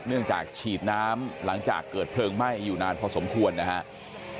เนื่องจากฉีดน้ำหลังจากเกิดเพลิงไหม้อยู่นานพอสมควรนะครับ